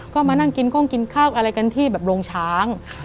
ก็มานั่งกินโค้งกินข้าวอะไรกันที่แบบโรงช้าง